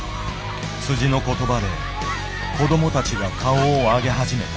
の言葉で子どもたちが顔を上げ始めた。